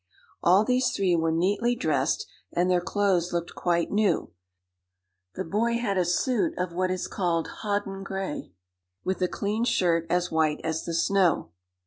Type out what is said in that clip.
All these three were neatly dressed, and their clothes looked quite new. The boy had a suit of what is called hodden gray, with a clean shirt as white as the snow.